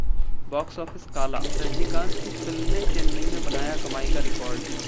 Box Office Kaala: Rajinikanth की फिल्म ने चेन्नई में बनाया कमाई का रिकॉर्ड